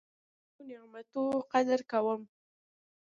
زه د کوچنیو نعمتو قدر کوم.